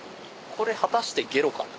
「これ果たしてゲロかな？」